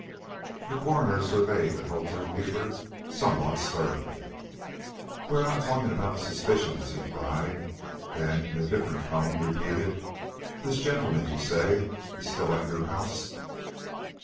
The coroner surveyed the hotel keeper somewhat sternly. "We are not talking about suspicions!" he cried; then, in a different tone, repeated: "This gentleman, you say, is still at your house?"